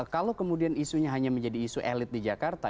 kalau kemudian isunya hanya menjadi isu elit di jakarta